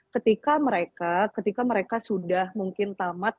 ketika mereka sudah mungkin tamat